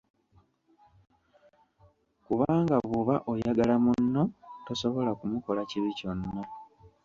Kubanga bw’oba oyagala munno tosobola kumukola kibi kyonna.